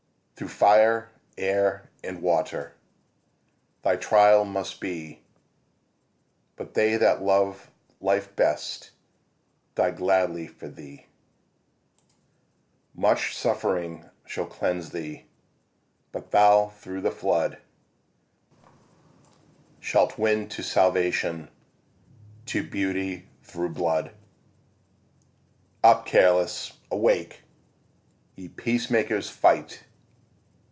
Through fire, air and water Thy trial must be; But they that love life best Die gladly for thee. Much suffering shall cleanse thee But thou through the flood Shalt win to salvation, To beauty through blood. Up, careless, awake! Ye peacemakers, fight!